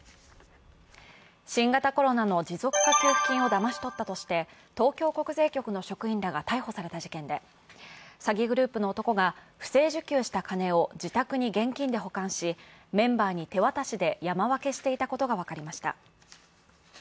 新型コロナの持続化給付金をだまし取ったとして東京国税局の職員らが逮捕された事件で詐欺グループの男が不正受給した金を自宅に現金で保管し、メンバーに手渡しで山分けしていたことが分かりました。